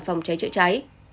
phòng cháy chữa cháy